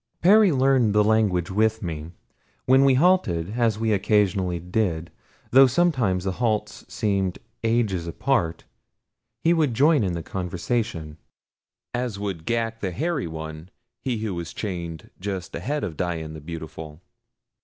Perry learned the language with me. When we halted, as we occasionally did, though sometimes the halts seemed ages apart, he would join in the conversation, as would Ghak the Hairy One, he who was chained just ahead of Dian the Beautiful.